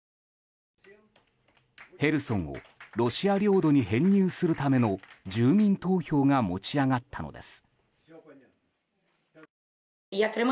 ヘルソンをロシア領土に編入するための住民投票が持ち上がったのです。